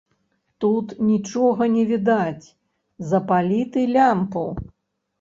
Тут нічога не відаць, запалі ты лямпу!